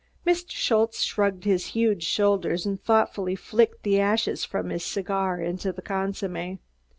Mr. Schultze shrugged his huge shoulders and thoughtfully flicked the ashes from his cigar into the consomme.